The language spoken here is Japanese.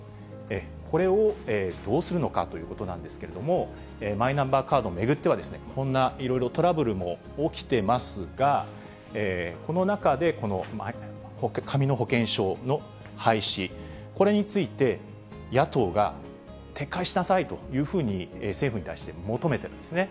これをどうするのかということなんですけれども、マイナンバーカードを巡っては、こんないろいろトラブルも起きてますが、この中で紙の保険証の廃止、これについて、野党が撤回しなさいというふうに政府に対して求めてるんですね。